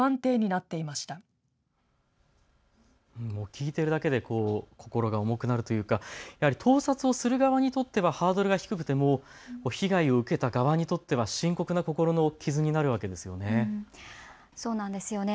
聞いてるだけで心が重くなるというか盗撮をする側にとってはハードルが低くても被害を受けた側にとっては深刻な心の傷になるわけですよね。